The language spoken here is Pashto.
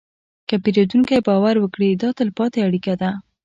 که پیرودونکی باور وکړي، دا تلپاتې اړیکه ده.